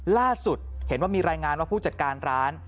ล่าสุดเห็นว่ามีรายงานว่าผู้จัดการร้าน